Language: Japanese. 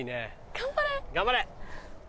頑張れ！